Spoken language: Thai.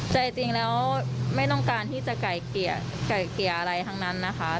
ใจจริงแล้วไม่ต้องการที่จะไก่เกลี่ไก่เกลี่ยอะไรทั้งนั้นนะคะ